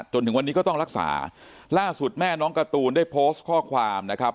จนถึงวันนี้ก็ต้องรักษาล่าสุดแม่น้องการ์ตูนได้โพสต์ข้อความนะครับ